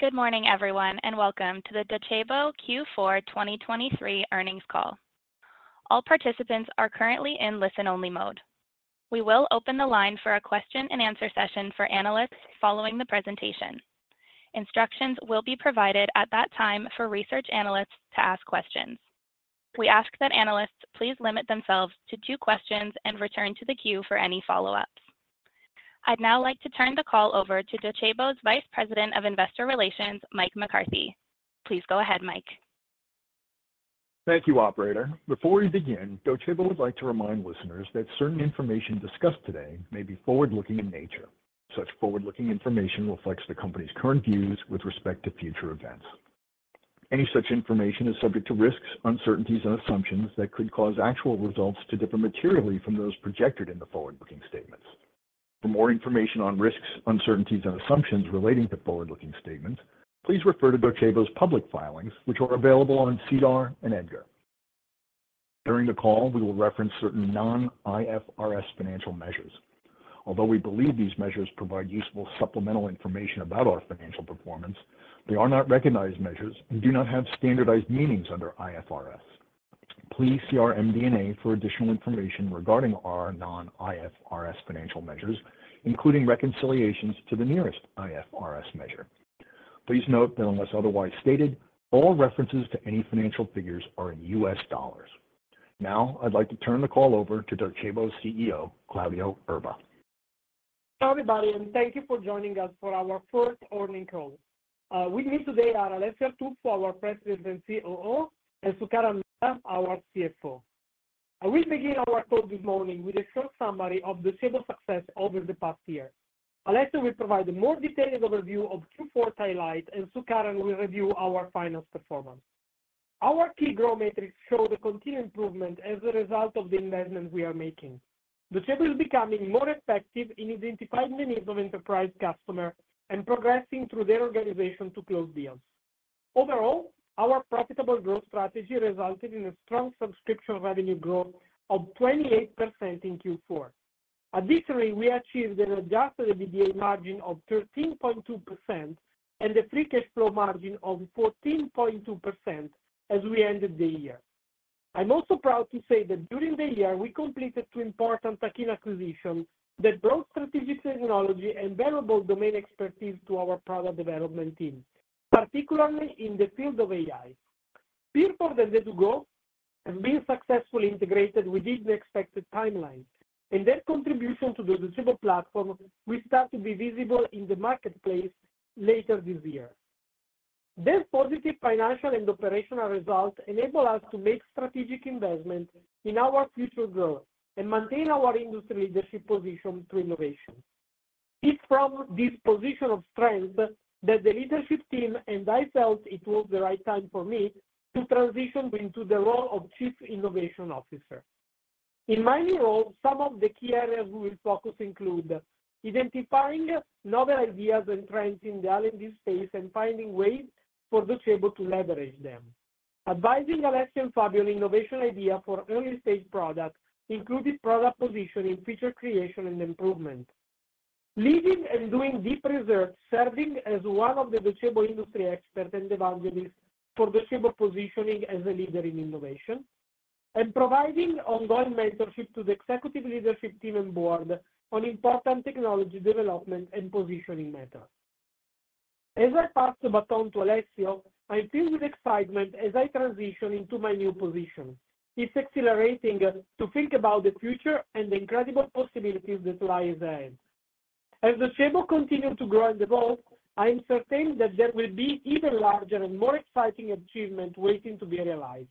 Good morning, everyone, and welcome to the Docebo Q4 2023 earnings call. All participants are currently in listen-only mode. We will open the line for a question-and-answer session for analysts following the presentation. Instructions will be provided at that time for research analysts to ask questions. We ask that analysts please limit themselves to two questions and return to the queue for any follow-ups. I'd now like to turn the call over to Docebo's Vice President of Investor Relations, Mike McCarthy. Please go ahead, Mike. Thank you, operator. Before we begin, Docebo would like to remind listeners that certain information discussed today may be forward-looking in nature. Such forward-looking information reflects the company's current views with respect to future events. Any such information is subject to risks, uncertainties, and assumptions that could cause actual results to differ materially from those projected in the forward-looking statements. For more information on risks, uncertainties, and assumptions relating to forward-looking statements, please refer to Docebo's public filings, which are available on SEDAR+ and EDGAR. During the call, we will reference certain non-IFRS financial measures. Although we believe these measures provide useful supplemental information about our financial performance, they are not recognized measures and do not have standardized meanings under IFRS. Please see our MD&A for additional information regarding our non-IFRS financial measures, including reconciliations to the nearest IFRS measure. Please note that unless otherwise stated, all references to any financial figures are in U.S. dollars. Now, I'd like to turn the call over to Docebo's CEO, Claudio Erba. Hello, everybody, and thank you for joining us for our first earnings call. With me today are Alessio Artuffo, our President and COO, and Sukaran Mehta, our CFO. We'll begin our call this morning with a short summary of Docebo's success over the past year. Alessio will provide a more detailed overview of Q4 highlights, and Sukaran will review our financial performance. Our key growth metrics show the continued improvement as a result of the investments we are making. Docebo is becoming more effective in identifying the needs of enterprise customers and progressing through their organization to close deals. Overall, our profitable growth strategy resulted in a strong subscription revenue growth of 28% in Q4. Additionally, we achieved an adjusted EBITDA margin of 13.2% and a free cash flow margin of 14.2% as we ended the year. I'm also proud to say that during the year, we completed two important AI acquisitions that brought strategic technology and valuable domain expertise to our product development team, particularly in the field of AI. PeerBoard and Edugo.AI have been successfully integrated within the expected timeline, and their contribution to the Docebo platform will start to be visible in the marketplace later this year. Their positive financial and operational results enable us to make strategic investments in our future growth and maintain our industry leadership position through innovation. It's from this position of strength that the leadership team and I felt it was the right time for me to transition into the role of Chief Innovation Officer. In my new role, some of the key areas we will focus include identifying novel ideas and trends in the R&D space and finding ways for Docebo to leverage them. Advising Alessio and Fabio on innovation ideas for early-stage products, including product positioning, feature creation, and improvement. Leading and doing deep research, serving as one of the Docebo industry experts and evangelists for Docebo positioning as a leader in innovation. Providing ongoing mentorship to the executive leadership team and board on important technology development and positioning matters. As I pass the baton to Alessio, I'm filled with excitement as I transition into my new position. It's exhilarating to think about the future and the incredible possibilities that lie ahead. As Docebo continues to grow and evolve, I'm certain that there will be even larger and more exciting achievements waiting to be realized.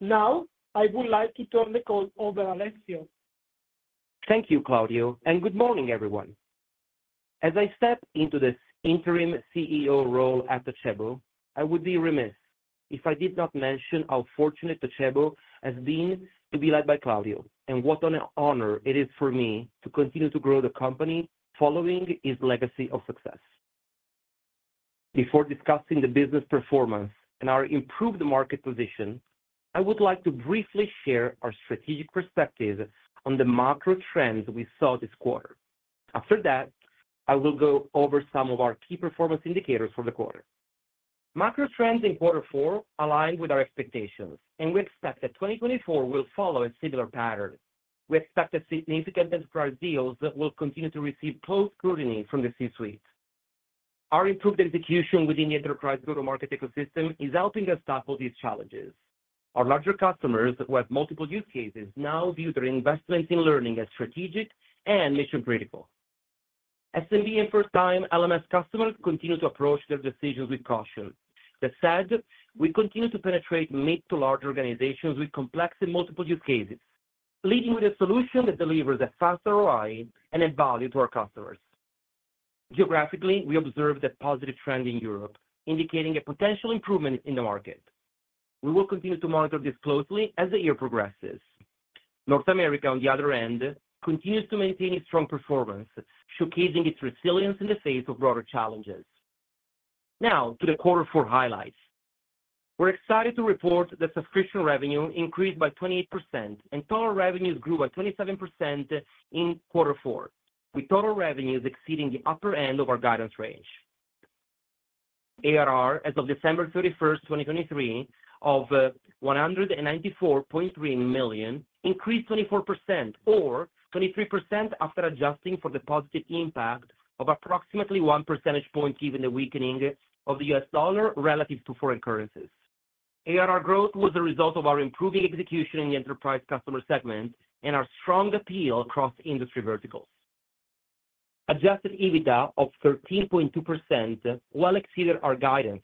Now, I would like to turn the call over to Alessio. Thank you, Claudio, and good morning, everyone. As I step into this interim CEO role at Docebo, I would be remiss if I did not mention how fortunate Docebo has been to be led by Claudio and what an honor it is for me to continue to grow the company following his legacy of success. Before discussing the business performance and our improved market position, I would like to briefly share our strategic perspective on the macro trends we saw this quarter. After that, I will go over some of our key performance indicators for the quarter. Macro trends in quarter four aligned with our expectations, and we expect that 2024 will follow a similar pattern. We expect that significant enterprise deals will continue to receive close scrutiny from the C-suite. Our improved execution within the enterprise go-to-market ecosystem is helping us tackle these challenges. Our larger customers who have multiple use cases now view their investments in learning as strategic and mission-critical. SMB and first-time LMS customers continue to approach their decisions with caution. That said, we continue to penetrate mid to large organizations with complex and multiple use cases, leading with a solution that delivers a faster ROI and add value to our customers. Geographically, we observe the positive trend in Europe, indicating a potential improvement in the market. We will continue to monitor this closely as the year progresses. North America, on the other hand, continues to maintain a strong performance, showcasing its resilience in the face of broader challenges. Now, to the quarter four highlights. We're excited to report that subscription revenue increased by 28% and total revenues grew by 27% in quarter four, with total revenues exceeding the upper end of our guidance range. ARR, as of December 31st, 2023, of $194.3 million increased 24% or 23% after adjusting for the positive impact of approximately one percentage point given the weakening of the U.S. dollar relative to foreign currencies. ARR growth was a result of our improving execution in the enterprise customer segment and our strong appeal across industry verticals. Adjusted EBITDA of 13.2%, which exceeded our guidance,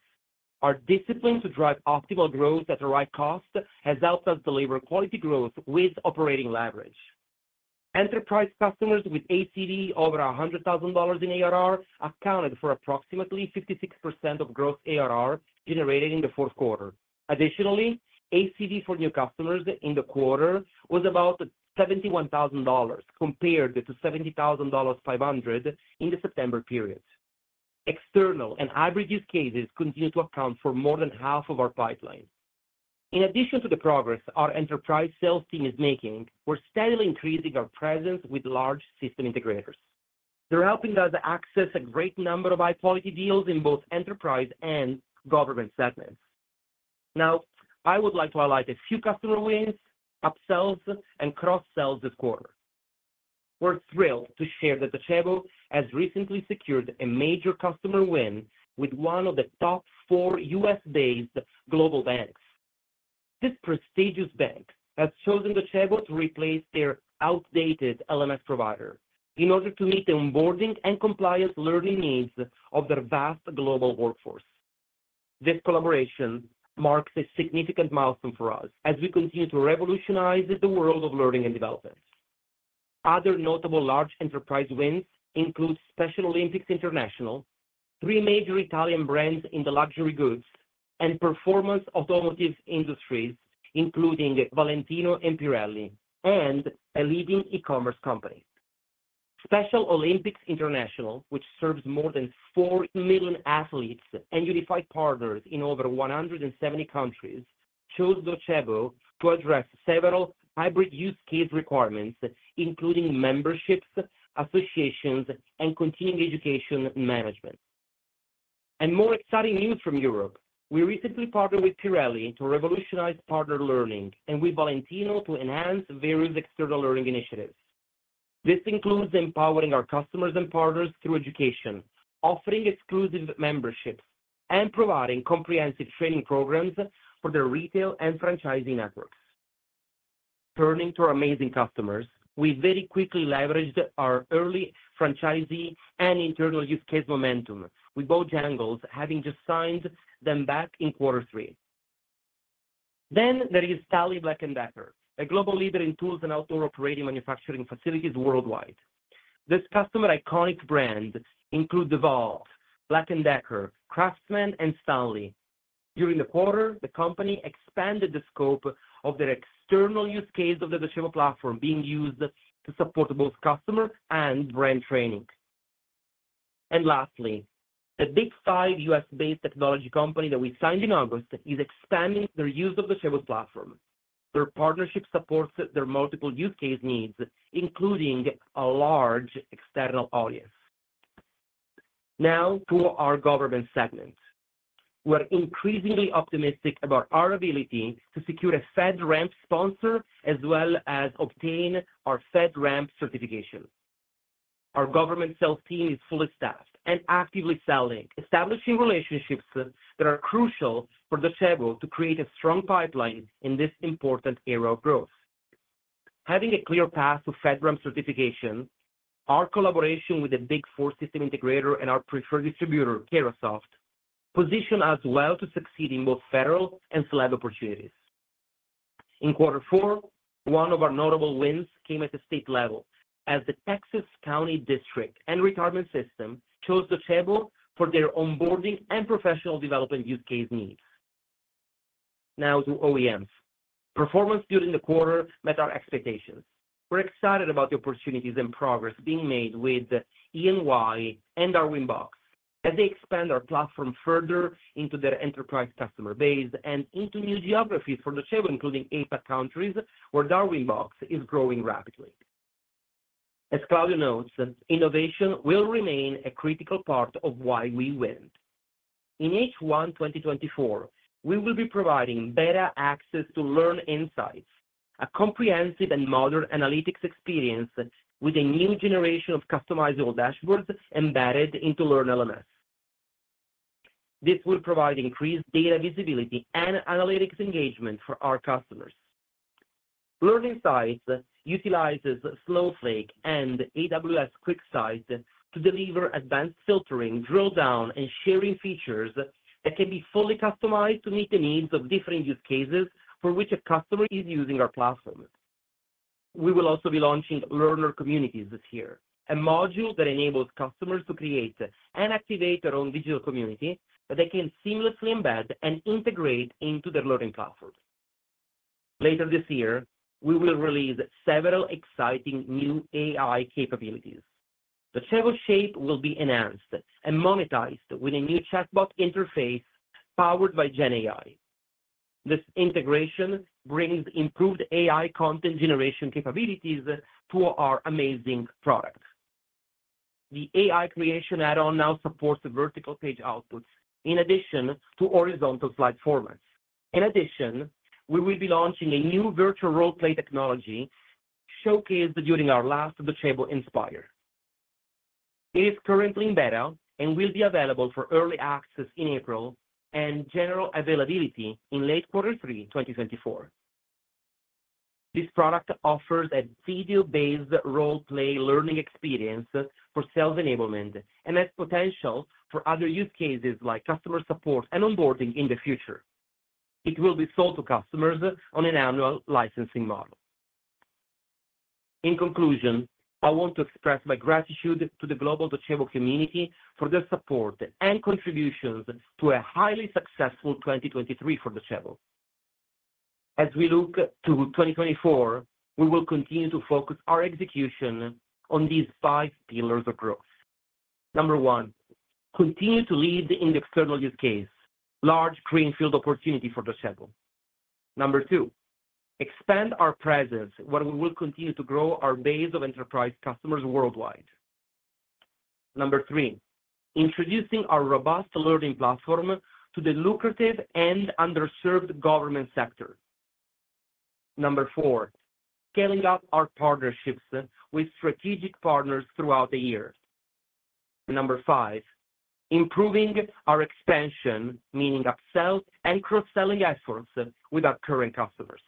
our discipline to drive optimal growth at the right cost has helped us deliver quality growth with operating leverage. Enterprise customers with ACV over $100,000 in ARR accounted for approximately 56% of gross ARR generated in the fourth quarter. Additionally, ACV for new customers in the quarter was about $71,000 compared to $70,500 in the September period. External and hybrid use cases continue to account for more than half of our pipeline. In addition to the progress our enterprise sales team is making, we're steadily increasing our presence with large system integrators. They're helping us access a great number of high-quality deals in both enterprise and government segments. Now, I would like to highlight a few customer wins, upsells, and cross-sells this quarter. We're thrilled to share that Docebo has recently secured a major customer win with one of the top four U.S.-based global banks. This prestigious bank has chosen Docebo to replace their outdated LMS provider in order to meet the onboarding and compliance learning needs of their vast global workforce. This collaboration marks a significant milestone for us as we continue to revolutionize the world of learning and development. Other notable large enterprise wins include Special Olympics International, three major Italian brands in the luxury goods, and performance automotive industries, including Valentino and Pirelli, and a leading e-commerce company. Special Olympics International, which serves more than 4 million athletes and unified partners in over 170 countries, chose Docebo to address several hybrid use case requirements, including memberships, associations, and continuing education management. More exciting news from Europe. We recently partnered with Pirelli to revolutionize partner learning, and with Valentino to enhance various external learning initiatives. This includes empowering our customers and partners through education, offering exclusive memberships, and providing comprehensive training programs for their retail and franchising networks. Turning to our amazing customers, we very quickly leveraged our early franchisee and internal use case momentum with both angles, having just signed them back in quarter three. There is Stanley Black & Decker, a global leader in tools and outdoor operating manufacturing facilities worldwide. This customer-iconic brand includes DeWalt, Black & Decker, Craftsman, and Stanley. During the quarter, the company expanded the scope of their external use case of the Docebo platform, being used to support both customer and brand training. And lastly, the Big Five U.S.-based technology company that we signed in August is expanding their use of Docebo's platform. Their partnership supports their multiple use case needs, including a large external audience. Now, to our government segment. We're increasingly optimistic about our ability to secure a FedRAMP sponsor as well as obtain our FedRAMP certification. Our government sales team is fully staffed and actively selling, establishing relationships that are crucial for Docebo to create a strong pipeline in this important era of growth. Having a clear path to FedRAMP certification, our collaboration with the Big Four system integrator and our preferred distributor, Carahsoft, positioned us well to succeed in both federal and SLED opportunities. In quarter four, one of our notable wins came at the state level, as the Texas County & District Retirement System chose Docebo for their onboarding and professional development use case needs. Now, to OEMs. Performance during the quarter met our expectations. We're excited about the opportunities and progress being made with E&Y and Darwinbox as they expand our platform further into their enterprise customer base and into new geographies for Docebo, including APAC countries where Darwinbox is growing rapidly. As Claudio notes, innovation will remain a critical part of why we win. In H1 2024, we will be providing better access to Learn Insights, a comprehensive and modern analytics experience with a new generation of customizable dashboards embedded into Learn LMS. This will provide increased data visibility and analytics engagement for our customers. Learn Insights utilizes Snowflake and AWS QuickSight to deliver advanced filtering, drill-down, and sharing features that can be fully customized to meet the needs of different use cases for which a customer is using our platform. We will also be launching Learner Communities this year, a module that enables customers to create and activate their own digital community that they can seamlessly embed and integrate into their learning platform. Later this year, we will release several exciting new AI capabilities. Docebo Shape will be enhanced and monetized with a new chatbot interface powered by GenAI. This integration brings improved AI content generation capabilities to our amazing product. The AI Creation add-on now supports vertical page outputs in addition to horizontal slide formats. In addition, we will be launching a new virtual role-play technology showcased during our last Docebo Inspire. It is currently in beta and will be available for early access in April and general availability in late quarter three 2024. This product offers a video-based role-play learning experience for sales enablement and has potential for other use cases like customer support and onboarding in the future. It will be sold to customers on an annual licensing model. In conclusion, I want to express my gratitude to the global Docebo Community for their support and contributions to a highly successful 2023 for Docebo. As we look to 2024, we will continue to focus our execution on these five pillars of growth. Number one, continue to lead in the external use case, large greenfield opportunity for Docebo. Number two, expand our presence where we will continue to grow our base of enterprise customers worldwide. Number three, introducing our robust learning platform to the lucrative and underserved government sector. Number four, scaling up our partnerships with strategic partners throughout the year. Number five, improving our expansion, meaning upsell and cross-selling efforts with our current customers.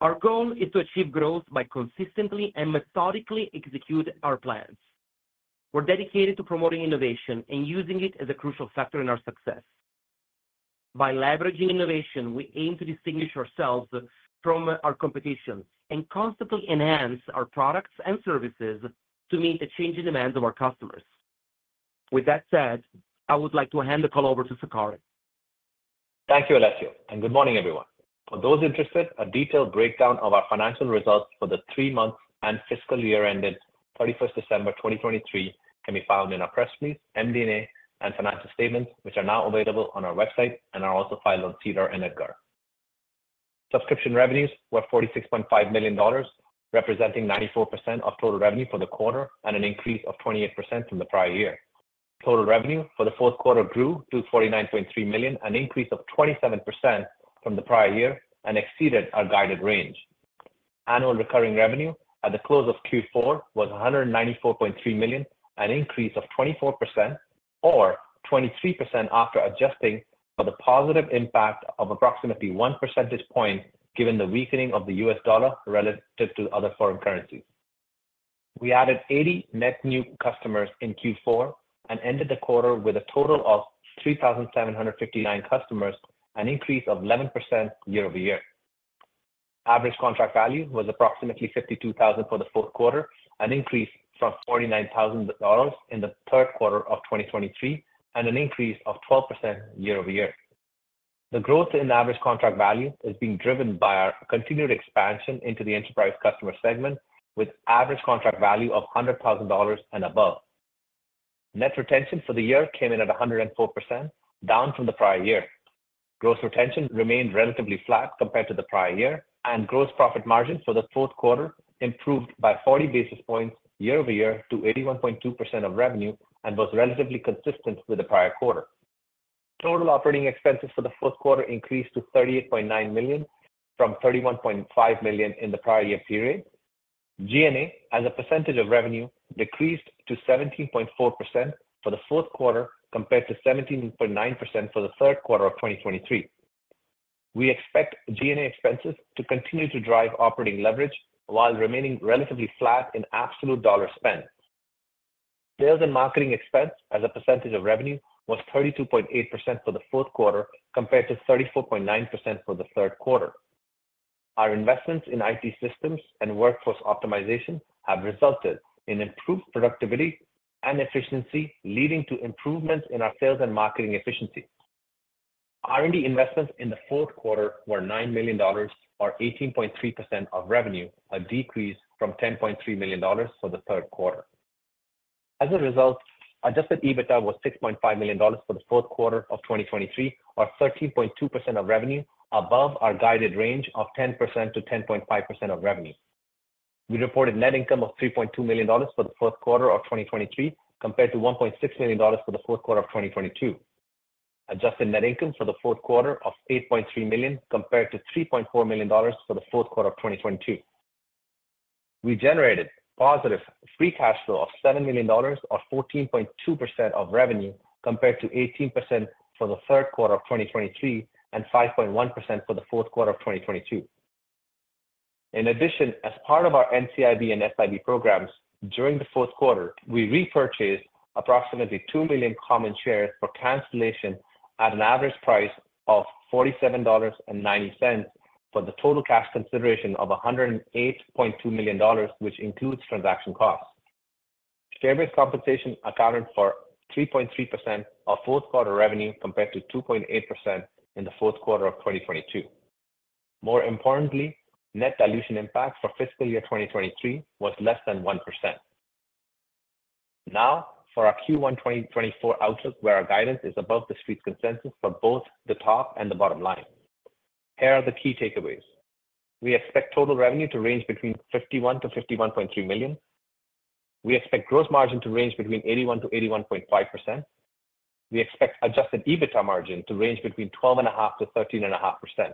Our goal is to achieve growth by consistently and methodically executing our plans. We're dedicated to promoting innovation and using it as a crucial factor in our success. By leveraging innovation, we aim to distinguish ourselves from our competition and constantly enhance our products and services to meet the changing demands of our customers. With that said, I would like to hand the call over to Sukaran. Thank you, Alessio. Good morning, everyone. For those interested, a detailed breakdown of our financial results for the three months and fiscal year ended 31st December 2023 can be found in our press release, MD&A, and financial statements, which are now available on our website and are also filed on SEDAR+ and EDGAR. Subscription revenues were $46.5 million, representing 94% of total revenue for the quarter and an increase of 28% from the prior year. Total revenue for the fourth quarter grew to $49.3 million, an increase of 27% from the prior year, and exceeded our guided range. Annual recurring revenue at the close of Q4 was $194.3 million, an increase of 24% or 23% after adjusting for the positive impact of approximately one percentage point given the weakening of the U.S. dollar relative to other foreign currencies. We added 80 net new customers in Q4 and ended the quarter with a total of 3,759 customers, an increase of 11% year-over-year. Average contract value was approximately $52,000 for the fourth quarter, an increase from $49,000 in the third quarter of 2023, and an increase of 12% year-over-year. The growth in average contract value is being driven by our continued expansion into the enterprise customer segment with average contract value of $100,000 and above. Net retention for the year came in at 104%, down from the prior year. Gross retention remained relatively flat compared to the prior year, and gross profit margin for the fourth quarter improved by 40 basis points year-over-year to 81.2% of revenue and was relatively consistent with the prior quarter. Total operating expenses for the fourth quarter increased to $38.9 million from $31.5 million in the prior year period. G&A, as a percentage of revenue, decreased to 17.4% for the fourth quarter compared to 17.9% for the third quarter of 2023. We expect G&A expenses to continue to drive operating leverage while remaining relatively flat in absolute dollar spend. Sales and marketing expense, as a percentage of revenue, was 32.8% for the fourth quarter compared to 34.9% for the third quarter. Our investments in IT systems and workforce optimization have resulted in improved productivity and efficiency, leading to improvements in our sales and marketing efficiency. R&D investments in the fourth quarter were $9 million or 18.3% of revenue, a decrease from $10.3 million for the third quarter. As a result, Adjusted EBITDA was $6.5 million for the fourth quarter of 2023 or 13.2% of revenue, above our guided range of 10%-10.5% of revenue. We reported net income of $3.2 million for the fourth quarter of 2023 compared to $1.6 million for the fourth quarter of 2022. Adjusted net income for the fourth quarter was $8.3 million compared to $3.4 million for the fourth quarter of 2022. We generated positive free cash flow of $7 million or 14.2% of revenue compared to 18% for the third quarter of 2023 and 5.1% for the fourth quarter of 2022. In addition, as part of our NCIB and SIB programs, during the fourth quarter, we repurchased approximately 2 million common shares for cancellation at an average price of $47.90 for the total cash consideration of $108.2 million, which includes transaction costs. Share-based compensation accounted for 3.3% of fourth quarter revenue compared to 2.8% in the fourth quarter of 2022. More importantly, net dilution impact for fiscal year 2023 was less than 1%. Now, for our Q1 2024 outlook, where our guidance is above the street's consensus for both the top and the bottom line, here are the key takeaways. We expect total revenue to range between $51 million-$51.3 million. We expect gross margin to range between 81%-81.5%. We expect Adjusted EBITDA margin to range between 12.5%-13.5%.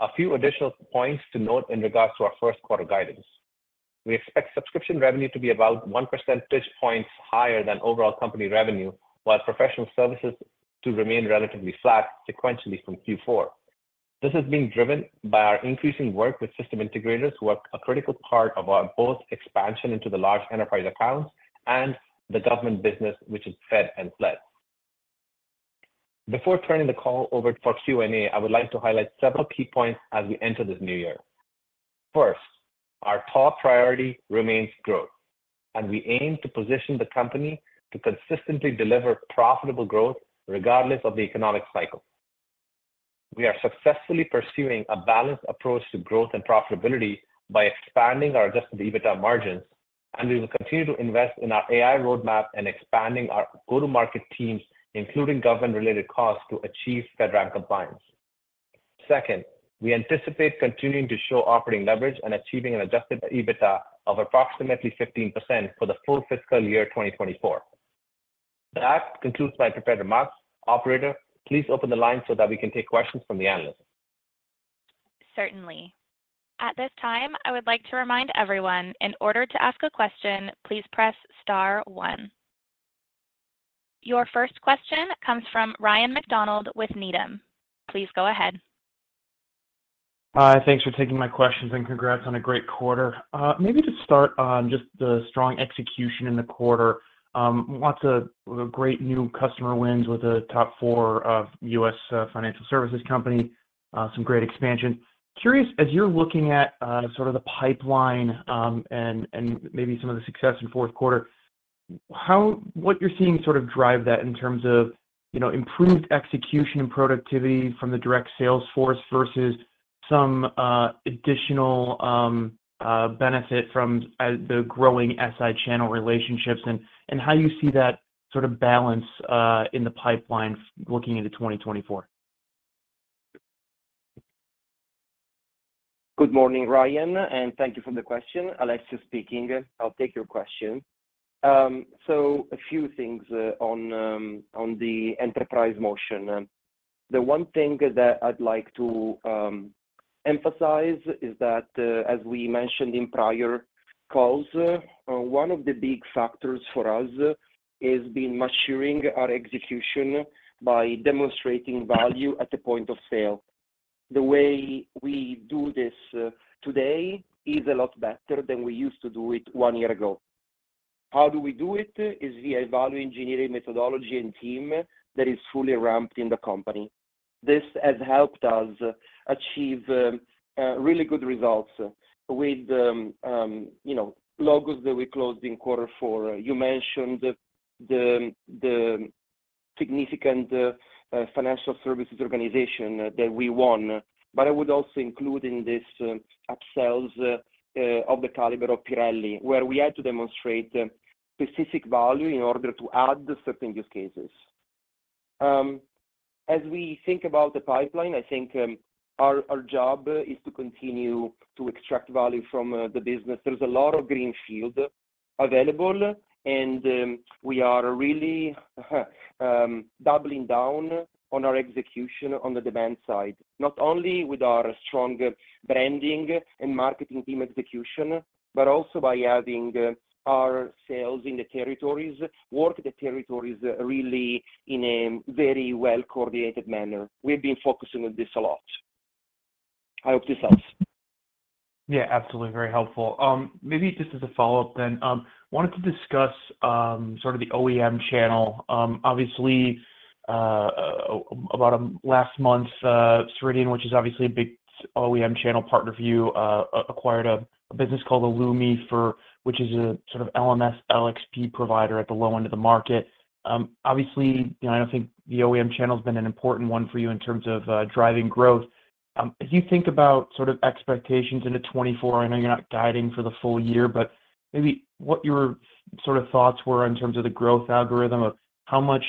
A few additional points to note in regards to our first quarter guidance. We expect subscription revenue to be about one percentage point higher than overall company revenue, while professional services to remain relatively flat sequentially from Q4. This is being driven by our increasing work with system integrators, who are a critical part of both expansion into the large enterprise accounts and the government business, which is Fed and SLED. Before turning the call over for Q&A, I would like to highlight several key points as we enter this new year. First, our top priority remains growth, and we aim to position the company to consistently deliver profitable growth regardless of the economic cycle. We are successfully pursuing a balanced approach to growth and profitability by expanding our adjusted EBITDA margins, and we will continue to invest in our AI roadmap and expanding our go-to-market teams, including government-related costs, to achieve FedRAMP compliance. Second, we anticipate continuing to show operating leverage and achieving an adjusted EBITDA of approximately 15% for the full fiscal year 2024. That concludes my prepared remarks. Operator, please open the line so that we can take questions from the analysts. Certainly. At this time, I would like to remind everyone, in order to ask a question, please press star one. Your first question comes from Ryan MacDonald with Needham. Please go ahead. Hi. Thanks for taking my questions and congrats on a great quarter. Maybe to start on just the strong execution in the quarter, lots of great new customer wins with a top four U.S. financial services company, some great expansion. Curious, as you're looking at sort of the pipeline and maybe some of the success in fourth quarter, what you're seeing sort of drive that in terms of improved execution and productivity from the direct sales force versus some additional benefit from the growing SI channel relationships and how you see that sort of balance in the pipeline looking into 2024? Good morning, Ryan, and thank you for the question. Alessio speaking. I'll take your question. So a few things on the enterprise motion. The one thing that I'd like to emphasize is that, as we mentioned in prior calls, one of the big factors for us has been maturing our execution by demonstrating value at the point of sale. The way we do this today is a lot better than we used to do it one year ago. How do we do it? It's via value engineering methodology and team that is fully ramped in the company. This has helped us achieve really good results with logos that we closed in quarter four. You mentioned the significant financial services organization that we won, but I would also include in this upsells of the caliber of Pirelli, where we had to demonstrate specific value in order to add certain use cases. As we think about the pipeline, I think our job is to continue to extract value from the business. There's a lot of greenfield available, and we are really doubling down on our execution on the demand side, not only with our strong branding and marketing team execution, but also by having our sales in the territories work the territories really in a very well-coordinated manner. We've been focusing on this a lot. I hope this helps. Yeah, absolutely. Very helpful. Maybe just as a follow-up then, wanted to discuss sort of the OEM channel. Obviously, about last month, Ceridian, which is obviously a big OEM channel partner for you, acquired a business called eloomi, which is a sort of LMS/LXP provider at the low end of the market. Obviously, I don't think the OEM channel has been an important one for you in terms of driving growth. As you think about sort of expectations into 2024, I know you're not guiding for the full year, but maybe what your sort of thoughts were in terms of the growth algorithm of how much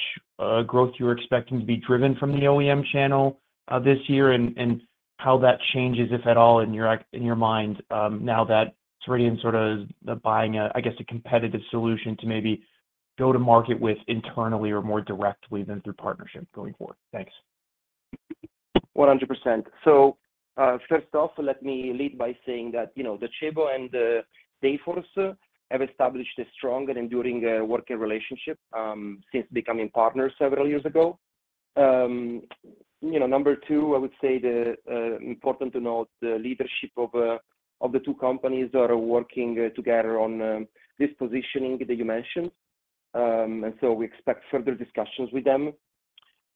growth you were expecting to be driven from the OEM channel this year and how that changes, if at all, in your mind now that Ceridian sort of is buying, I guess, a competitive solution to maybe go to market with internally or more directly than through partnership going forward? Thanks. 100%. So first off, let me lead by saying that the Docebo and Dayforce have established a strong and enduring working relationship since becoming partners several years ago. Number two, I would say important to note, the leadership of the two companies that are working together on this positioning that you mentioned. And so we expect further discussions with them.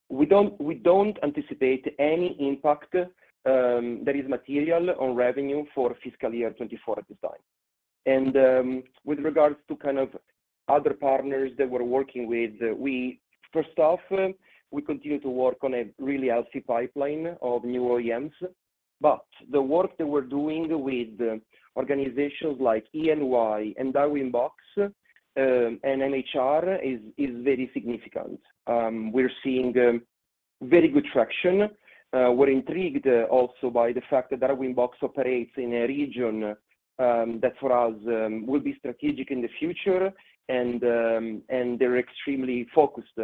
We don't anticipate any impact that is material on revenue for fiscal year 2024 at this time. And with regards to kind of other partners that we're working with, first off, we continue to work on a really healthy pipeline of new OEMs, but the work that we're doing with organizations like E&Y and Darwinbox and MHR is very significant. We're seeing very good traction. We're intrigued also by the fact that Darwinbox operates in a region that, for us, will be strategic in the future, and they're extremely focused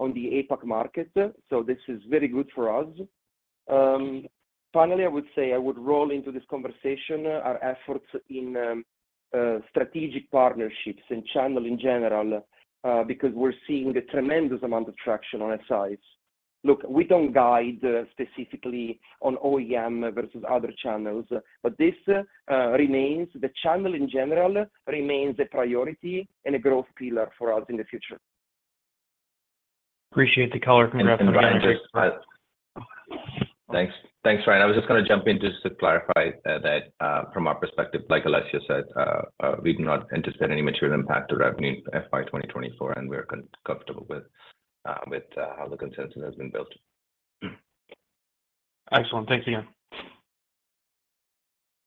on the APAC market. So this is very good for us. Finally, I would say I would roll into this conversation our efforts in strategic partnerships and channel in general because we're seeing a tremendous amount of traction on SIs. Look, we don't guide specifically on OEM versus other channels, but the channel in general remains a priority and a growth pillar for us in the future. Appreciate the color. Congrats on the energy. Thanks. Thanks, Ryan. I was just going to jump in just to clarify that from our perspective, like Alessio said, we do not anticipate any material impact to revenue FY 2024, and we're comfortable with how the consensus has been built. Excellent. Thanks, Ryan.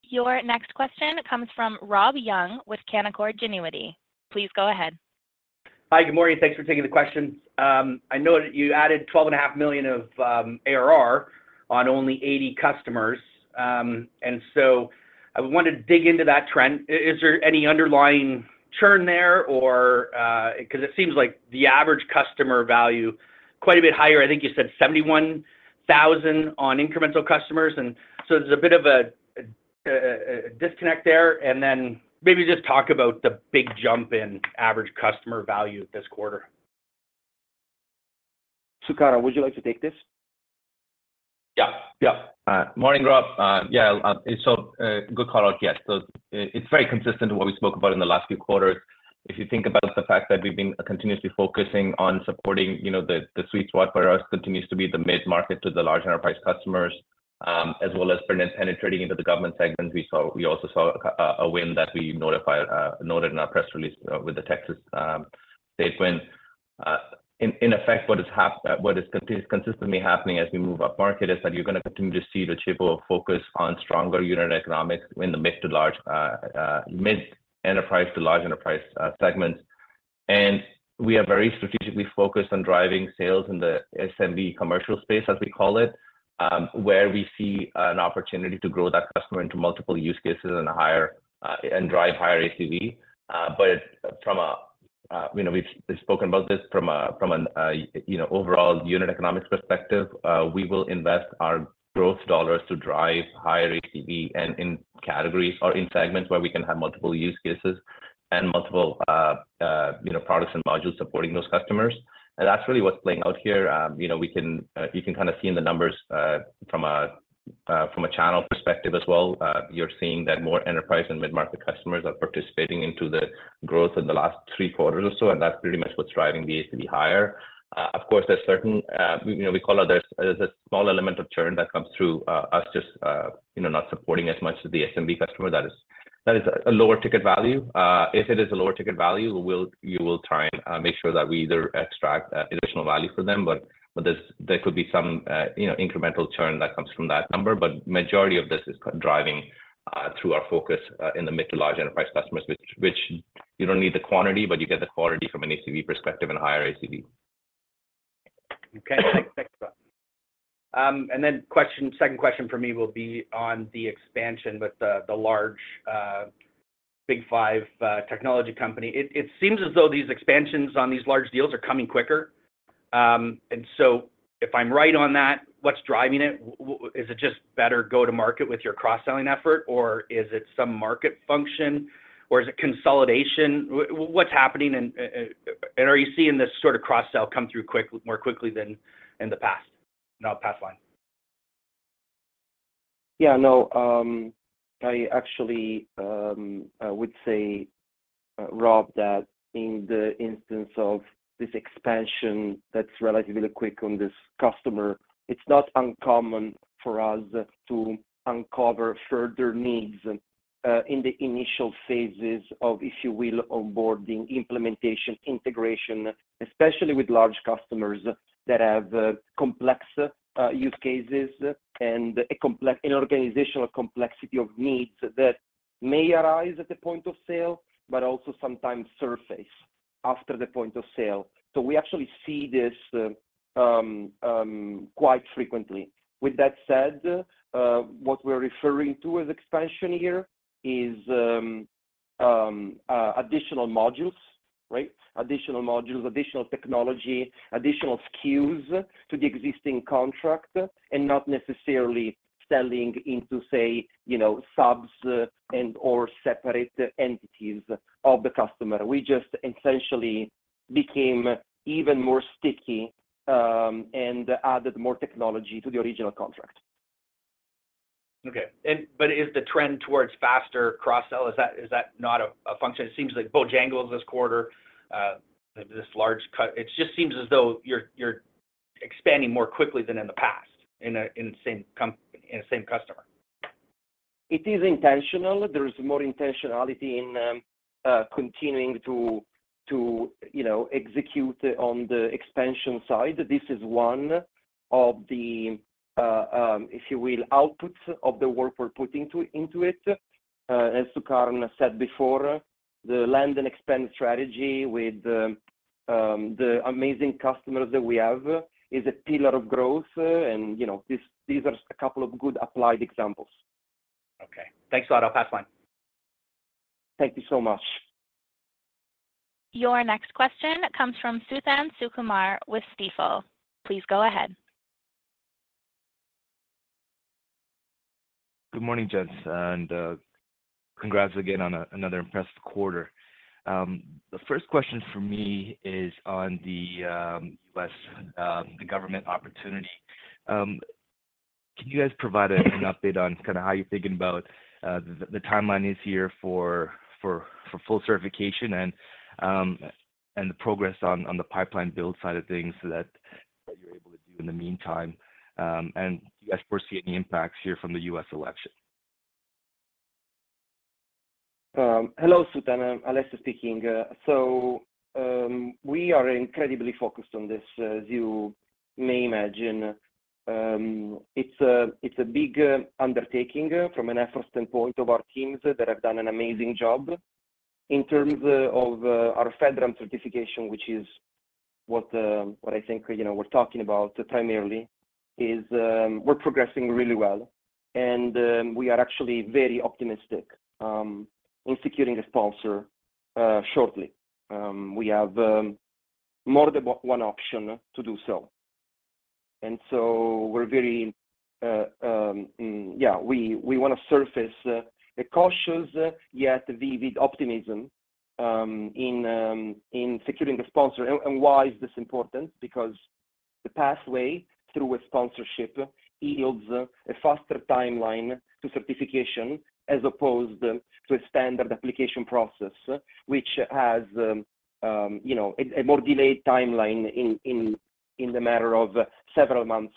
Your next question comes from Rob Young with Canaccord Genuity. Please go ahead. Hi. Good morning. Thanks for taking the question. I know that you added $12.5 million of ARR on only 80 customers, and so I wanted to dig into that trend. Is there any underlying churn there? Because it seems like the average customer value is quite a bit higher. I think you said $71,000 on incremental customers. And so there's a bit of a disconnect there. And then maybe just talk about the big jump in average customer value this quarter. Sukaran, would you like to take this? Yeah. Yeah. Morning, Rob. Yeah, so good call out yet. So it's very consistent to what we spoke about in the last few quarters. If you think about the fact that we've been continuously focusing on supporting the sweet spot for us continues to be the mid-market to the large enterprise customers, as well as penetrating into the government segments, we also saw a win that we noted in our press release with the Texas state win. In effect, what is consistently happening as we move up-market is that you're going to continue to see the Docebo focus on stronger unit economics in the mid- to large enterprise to large enterprise segments. And we are very strategically focused on driving sales in the SMB commercial space, as we call it, where we see an opportunity to grow that customer into multiple use cases and drive higher ACV. But we've spoken about this from an overall unit economics perspective. We will invest our growth dollars to drive higher ACV in categories or in segments where we can have multiple use cases and multiple products and modules supporting those customers. That's really what's playing out here. You can kind of see in the numbers from a channel perspective as well. You're seeing that more enterprise and mid-market customers are participating into the growth in the last three quarters or so, and that's pretty much what's driving the ACV higher. Of course, there's certain we call it there's a small element of churn that comes through us just not supporting as much as the SMB customer. That is a lower ticket value. If it is a lower ticket value, you will try and make sure that we either extract additional value for them, but there could be some incremental churn that comes from that number. But the majority of this is driving through our focus in the mid to large enterprise customers, which you don't need the quantity, but you get the quality from an ACV perspective and higher ACV. Okay. Thanks, Rob. And then second question for me will be on the expansion with the large big five technology company. It seems as though these expansions on these large deals are coming quicker. And so if I'm right on that, what's driving it? Is it just better go-to-market with your cross-selling effort, or is it some market function, or is it consolidation? What's happening? And are you seeing this sort of cross-sell come through more quickly than in the past? Now, past line. Yeah. No, I actually would say, Rob, that in the instance of this expansion that's relatively quick on this customer, it's not uncommon for us to uncover further needs in the initial phases of, if you will, onboarding, implementation, integration, especially with large customers that have complex use cases and an organizational complexity of needs that may arise at the point of sale, but also sometimes surface after the point of sale. So we actually see this quite frequently. With that said, what we're referring to as expansion here is additional modules, right? Additional modules, additional technology, additional SKUs to the existing contract, and not necessarily selling into, say, subs and/or separate entities of the customer. We just essentially became even more sticky and added more technology to the original contract. Okay. But is the trend towards faster cross-sell? Is that not a function? It seems like Bojangles this quarter, this large customer just seems as though you're expanding more quickly than in the past in the same customer. It is intentional. There is more intentionality in continuing to execute on the expansion side. This is one of the, if you will, outputs of the work we're putting into it. As Sukaran said before, the lend-and-expand strategy with the amazing customers that we have is a pillar of growth, and these are a couple of good applied examples. Okay. Thanks a lot. I'll pass line. Thank you so much. Your next question comes from Suthan Sukumar with Stifel. Please go ahead. Good morning, gents, and congrats again on another impressive quarter. The first question for me is on the U.S. government opportunity. Can you guys provide an update on kind of how you're thinking about the timeline this year for full certification and the progress on the pipeline build side of things that you're able to do in the meantime? And do you guys foresee any impacts here from the U.S. election? Hello, Suthan. Alessio speaking. So we are incredibly focused on this, as you may imagine. It's a big undertaking from an effort standpoint of our teams that have done an amazing job. In terms of our FedRAMP certification, which is what I think we're talking about primarily, we're progressing really well, and we are actually very optimistic in securing a sponsor shortly. We have more than one option to do so. And so we're very yeah, we want to surface a cautious yet vivid optimism in securing a sponsor. And why is this important? Because the pathway through a sponsorship yields a faster timeline to certification as opposed to a standard application process, which has a more delayed timeline in the matter of several months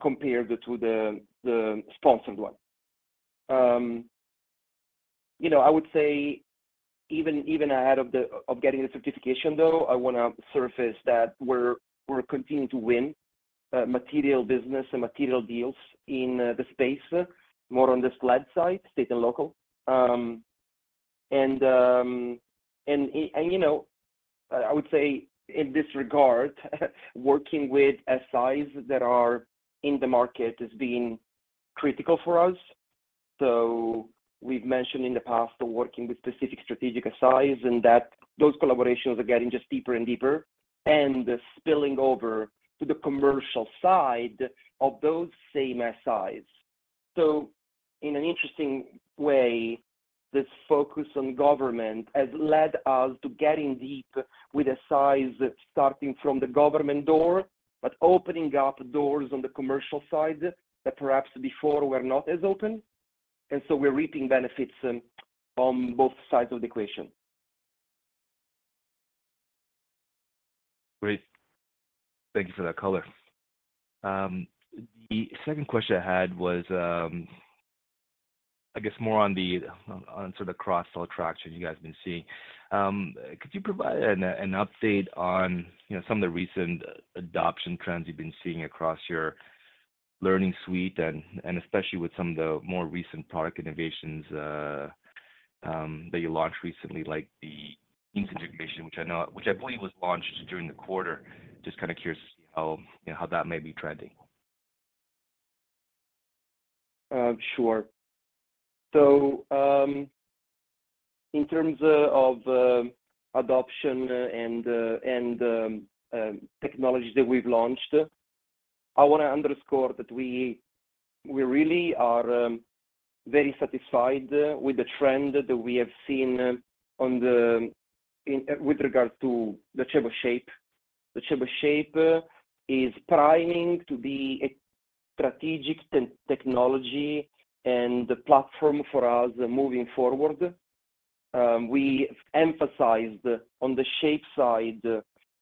compared to the sponsored one. I would say even ahead of getting the certification, though, I want to surface that we're continuing to win material business and material deals in the space, more on the SLED side, state and local. And I would say in this regard, working with SIs that are in the market has been critical for us. So we've mentioned in the past the working with specific strategic SIs, and those collaborations are getting just deeper and deeper and spilling over to the commercial side of those same SIs. So in an interesting way, this focus on government has led us to getting deep with SIs starting from the government door but opening up doors on the commercial side that perhaps before were not as open. And so we're reaping benefits on both sides of the equation. Great. Thank you for that color. The second question I had was, I guess, more on sort of cross-sell traction you guys have been seeing. Could you provide an update on some of the recent adoption trends you've been seeing across your learning suite, and especially with some of the more recent product innovations that you launched recently, like the AI's integration, which I believe was launched during the quarter? Just kind of curious to see how that may be trending. Sure. So in terms of adoption and technologies that we've launched, I want to underscore that we really are very satisfied with the trend that we have seen with regards to the Docebo Shape. The Docebo Shape is priming to be a strategic technology and platform for us moving forward. We emphasized on the Shape side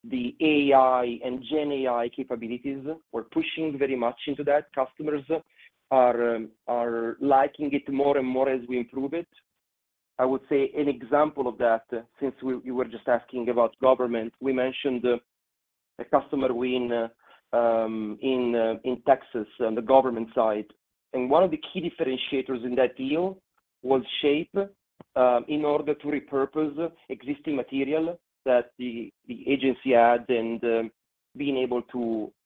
the AI and GenAI capabilities. We're pushing very much into that. Customers are liking it more and more as we improve it. I would say an example of that, since you were just asking about government, we mentioned a customer win in Texas on the government side. And one of the key differentiators in that deal was Shape in order to repurpose existing material that the agency had and being able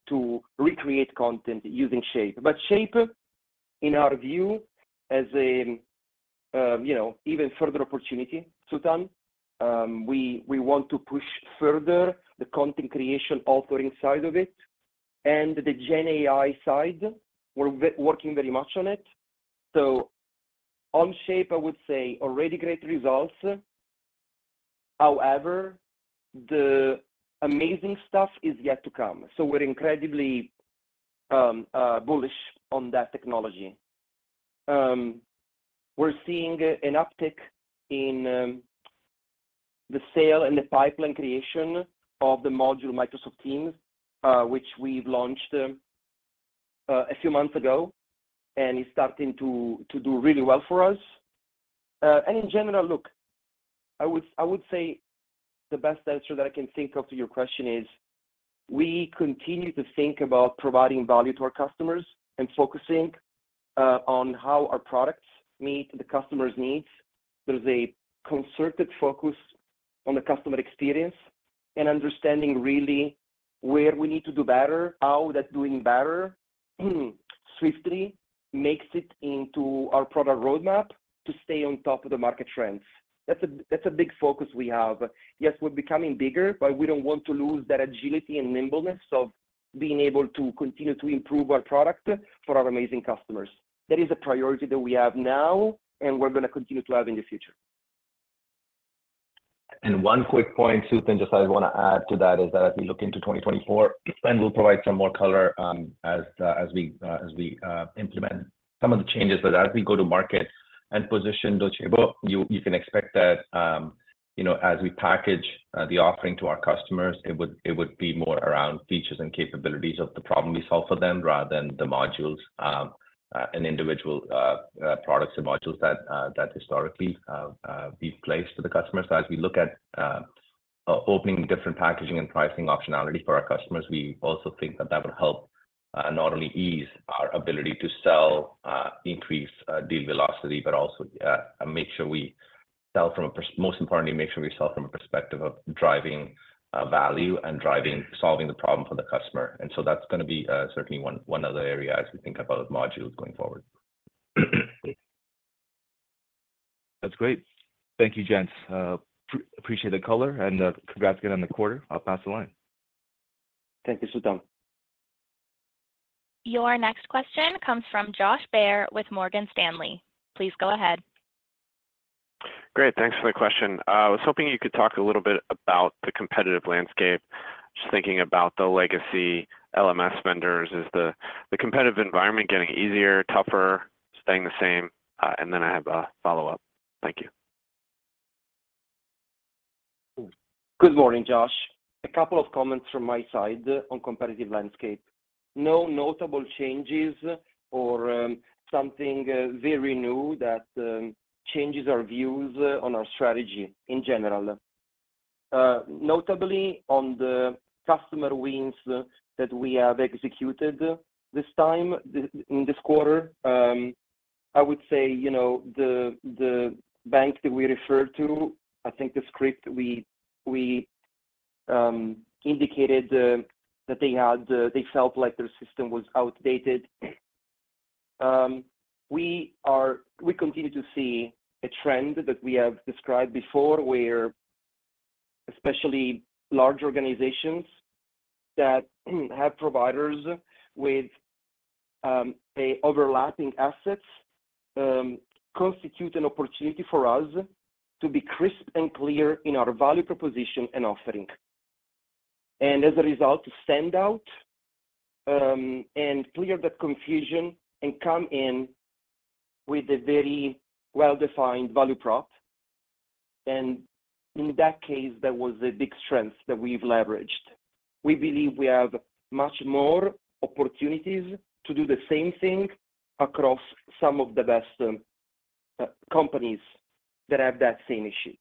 to recreate content using Shape. But Shape, in our view, is an even further opportunity, Suthan. We want to push further the content creation authoring side of it. The GenAI side, we're working very much on it. On shape, I would say already great results. However, the amazing stuff is yet to come. We're incredibly bullish on that technology. We're seeing an uptick in the sale and the pipeline creation of the module Microsoft Teams, which we've launched a few months ago, and it's starting to do really well for us. In general, look, I would say the best answer that I can think of to your question is we continue to think about providing value to our customers and focusing on how our products meet the customer's needs. There's a concerted focus on the customer experience and understanding really where we need to do better. How that doing better swiftly makes it into our product roadmap to stay on top of the market trends. That's a big focus we have. Yes, we're becoming bigger, but we don't want to lose that agility and nimbleness of being able to continue to improve our product for our amazing customers. That is a priority that we have now, and we're going to continue to have in the future. And one quick point, Suthan, just I want to add to that is that as we look into 2024, and we'll provide some more color as we implement some of the changes, but as we go to market and position Docebo, you can expect that as we package the offering to our customers, it would be more around features and capabilities of the problem we solve for them rather than the modules and individual products and modules that historically we've placed to the customers. So as we look at opening different packaging and pricing optionality for our customers, we also think that that would help not only ease our ability to sell, increase deal velocity, but also make sure we sell from a most importantly, make sure we sell from a perspective of driving value and solving the problem for the customer. And so that's going to be certainly one other area as we think about modules going forward. That's great. Thank you, Judge. Appreciate the color, and congrats again on the quarter. I'll pass the line. Thank you, Suthan. Your next question comes from Josh Baer with Morgan Stanley. Please go ahead. Great. Thanks for the question. I was hoping you could talk a little bit about the competitive landscape, just thinking about the legacy LMS vendors. Is the competitive environment getting easier, tougher, staying the same? And then I have a follow-up. Thank you. Good morning, Josh. A couple of comments from my side on competitive landscape. No notable changes or something very new that changes our views on our strategy in general. Notably, on the customer wins that we have executed this time in this quarter, I would say the bank that we referred to, I think the script we indicated that they felt like their system was outdated. We continue to see a trend that we have described before where, especially large organizations that have providers with overlapping assets constitute an opportunity for us to be crisp and clear in our value proposition and offering. And as a result, to stand out and clear that confusion and come in with a very well-defined value prop. And in that case, that was a big strength that we've leveraged. We believe we have much more opportunities to do the same thing across some of the best companies that have that same issue.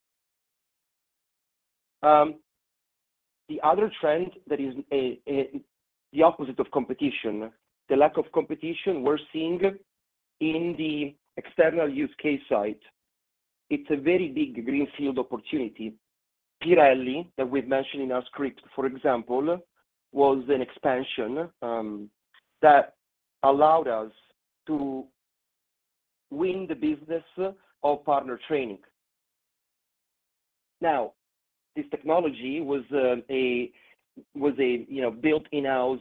The other trend that is the opposite of competition, the lack of competition we're seeing in the external use case site, it's a very big greenfield opportunity. Pirelli, that we've mentioned in our script, for example, was an expansion that allowed us to win the business of partner training. Now, this technology was built in-house.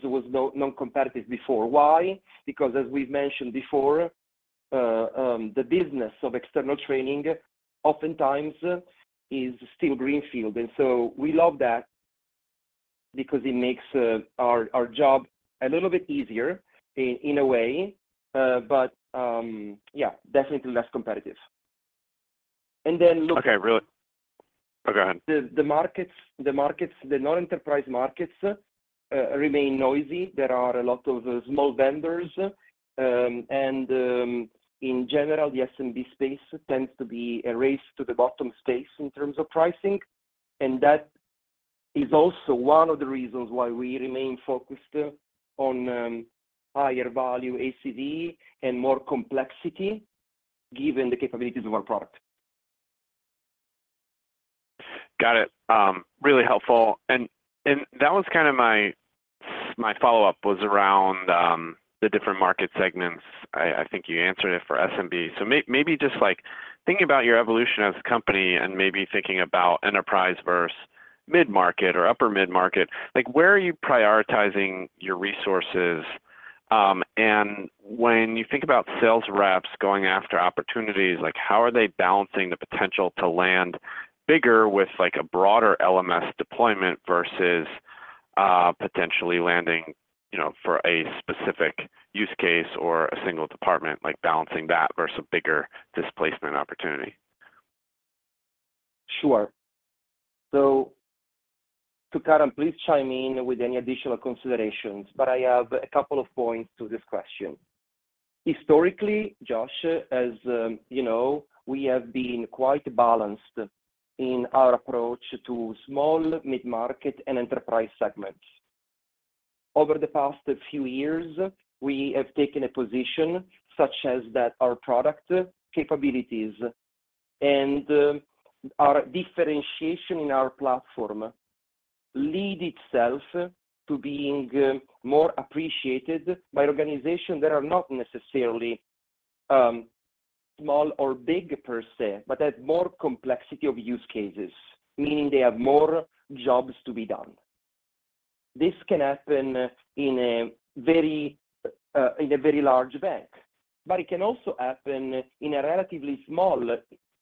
It was noncompetitive before. Why? Because, as we've mentioned before, the business of external training oftentimes is still greenfield. And so we love that because it makes our job a little bit easier in a way, but yeah, definitely less competitive. And then look. Okay. Really? Oh, go ahead. The markets, the non-enterprise markets remain noisy. There are a lot of small vendors. In general, the SMB space tends to be a race to the bottom space in terms of pricing. That is also one of the reasons why we remain focused on higher value ACV and more complexity given the capabilities of our product. Got it. Really helpful. That was kind of my follow-up was around the different market segments. I think you answered it for SMB. So maybe just thinking about your evolution as a company and maybe thinking about enterprise versus mid-market or upper mid-market, where are you prioritizing your resources? And when you think about sales reps going after opportunities, how are they balancing the potential to land bigger with a broader LMS deployment versus potentially landing for a specific use case or a single department, balancing that versus a bigger displacement opportunity? Sure. So Sukaran, please chime in with any additional considerations, but I have a couple of points to this question. Historically, Josh, as you know, we have been quite balanced in our approach to small, mid-market, and enterprise segments. Over the past few years, we have taken a position such that our product capabilities and our differentiation in our platform lends itself to being more appreciated by organizations that are not necessarily small or big per se, but have more complexity of use cases, meaning they have more jobs to be done. This can happen in a very large bank, but it can also happen in a relatively small,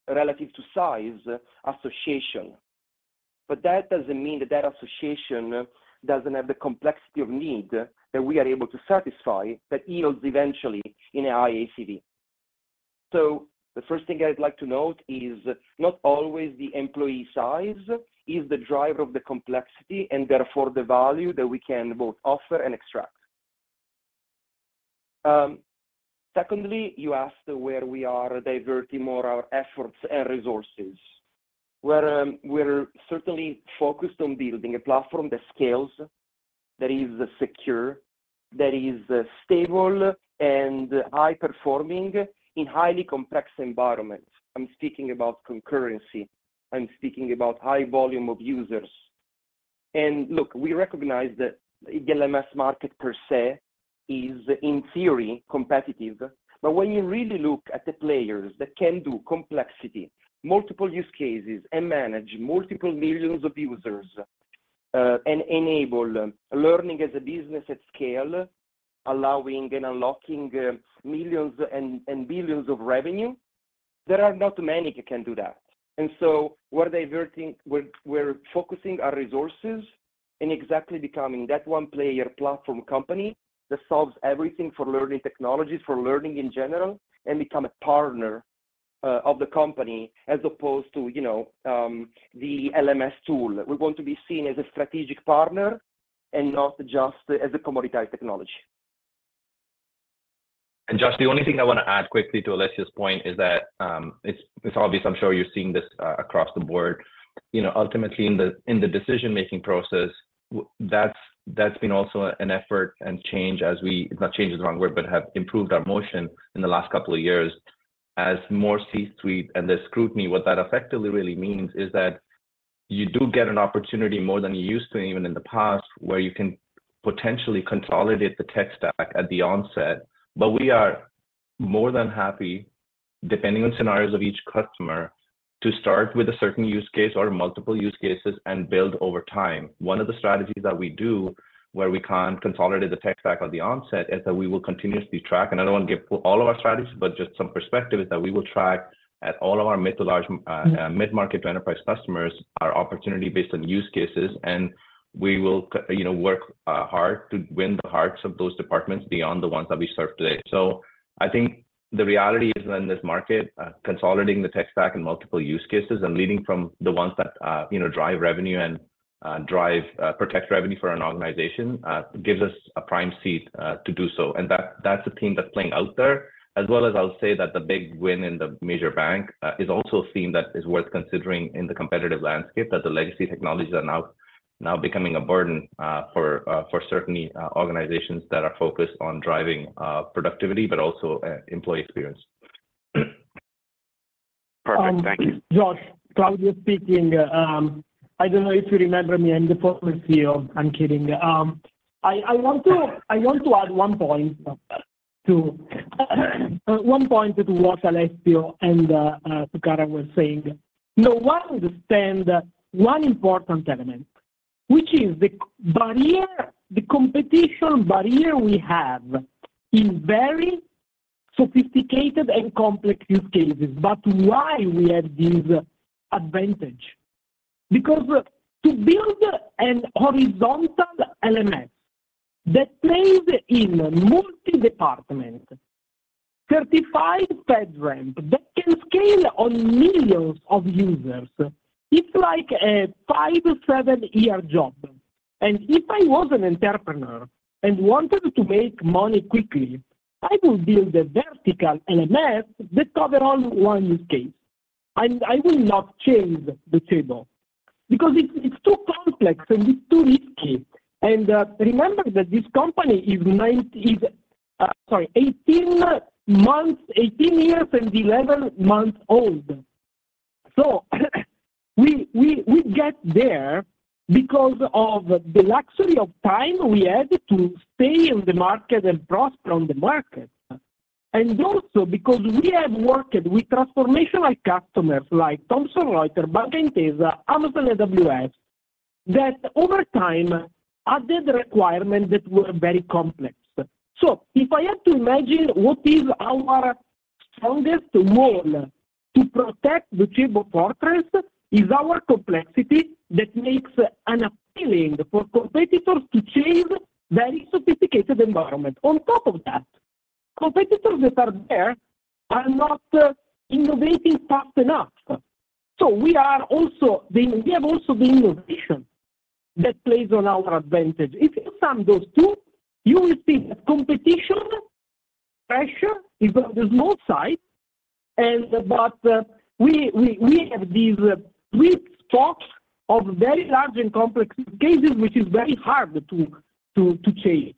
relative to size, association. But that doesn't mean that that association doesn't have the complexity of need that we are able to satisfy that yields eventually in a high ACV. So the first thing I'd like to note is not always the employee size is the driver of the complexity and therefore the value that we can both offer and extract. Secondly, you asked where we are diverting more our efforts and resources. We're certainly focused on building a platform that scales, that is secure, that is stable, and high-performing in highly complex environments. I'm speaking about concurrency. I'm speaking about high volume of users. And look, we recognize that the LMS market per se is, in theory, competitive. But when you really look at the players that can do complexity, multiple use cases, and manage multiple millions of users and enable learning as a business at scale, allowing and unlocking millions and billions of revenue, there are not many that can do that. And so we're focusing our resources and exactly becoming that one player platform company that solves everything for learning technologies, for learning in general, and become a partner of the company as opposed to the LMS tool. We want to be seen as a strategic partner and not just as a commoditized technology. And Josh, the only thing I want to add quickly to Alessio's point is that it's obvious. I'm sure you're seeing this across the board. Ultimately, in the decision-making process, that's been also an effort and change as we not change is the wrong word, but have improved our motion in the last couple of years. As more C-suite and the scrutiny, what that effectively really means is that you do get an opportunity more than you used to even in the past where you can potentially consolidate the tech stack at the onset. But we are more than happy, depending on scenarios of each customer, to start with a certain use case or multiple use cases and build over time. One of the strategies that we do where we can't consolidate the tech stack at the onset is that we will continuously track, and I don't want to give all of our strategies, but just some perspective is that we will track at all of our mid- to large mid-market to enterprise customers our opportunity based on use cases. We will work hard to win the hearts of those departments beyond the ones that we serve today. I think the reality is that in this market, consolidating the tech stack in multiple use cases and leading from the ones that drive revenue and protect revenue for an organization gives us a prime seat to do so. That's a theme that's playing out there, as well as I'll say that the big win in the major bank is also a theme that is worth considering in the competitive landscape, that the legacy technologies are now becoming a burden for certain organizations that are focused on driving productivity, but also employee experience. Perfect. Thank you. Josh, Claudio speaking. I don't know if you remember me as the former CEO. I'm kidding. I want to add one point to what Alessio and Sukaran were saying. Now, one important element, which is the competition barrier we have in very sophisticated and complex use cases, but why we have this advantage? Because to build a horizontal LMS that plays in multi-department, certified FedRAMP, that can scale on millions of users, it's like a 5-7-year job. If I was an entrepreneur and wanted to make money quickly, I would build a vertical LMS that covered only one use case. I will not change the table because it's too complex and it's too risky. Remember that this company is, sorry, 18 years and 11 months old. So we get there because of the luxury of time we had to stay in the market and prosper on the market. Also because we have worked with transformational customers like Thomson Reuters, Bank of Intesa, Amazon AWS that over time added requirements that were very complex. So if I had to imagine what is our strongest moat to protect our fortress is our complexity that makes it unappealing for competitors to chase very sophisticated environment. On top of that, competitors that are there are not innovating fast enough. So we have also the innovation that plays on our advantage. If you sum those two, you will see that competition pressure is on the small side, but we have this sweet spot of very large and complex cases, which is very hard to chase.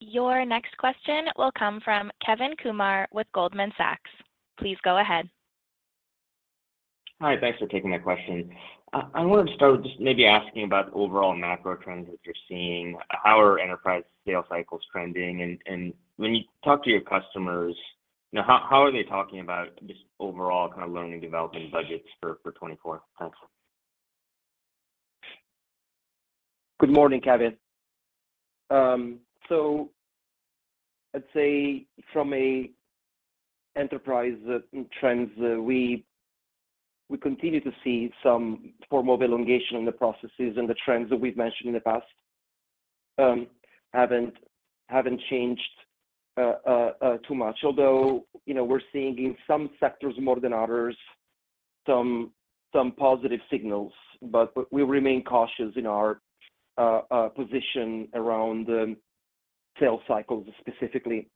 Your next question will come from Kevin Kumar with Goldman Sachs. Please go ahead. Hi. Thanks for taking that question. I want to start with just maybe asking about the overall macro trends that you're seeing. How are enterprise sales cycles trending? And when you talk to your customers, how are they talking about just overall kind of learning development budgets for 2024? Thanks. Good morning, Kevin. So I'd say from enterprise trends, we continue to see some form of elongation in the processes and the trends that we've mentioned in the past haven't changed too much, although we're seeing in some sectors more than others some positive signals. But we remain cautious in our position around sales cycles specifically.